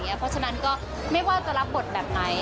เพราะฉะนั้นก็ไม่ว่าจะรับบทแบบไหน